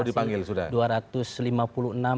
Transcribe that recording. oh dipanggil sudah ya